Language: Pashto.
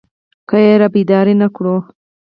که يې رابيدارې نه کړو.